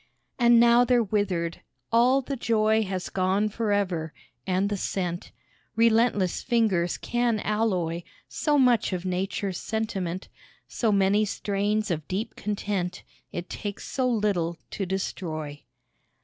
And now they're withered! all the joy Has gone for ever, and the scent; Relentless fingers can alloy So much of nature's sentiment, So many strains of deep content, It takes so little to destroy.